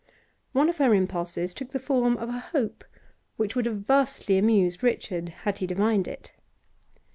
One of her impulses took the form of a hope which would have vastly amused Richard had he divined it.